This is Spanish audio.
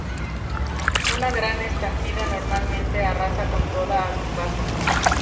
Una gran estampida normalmente arrasa con todo a su paso.